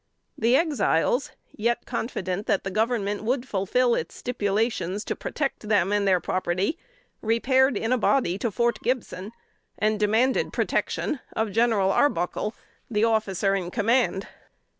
The Exiles, yet confident that the Government would fulfill its stipulations to protect them and their property, repaired in a body to Fort Gibson, and demanded protection of General Arbuckle, the officer in command.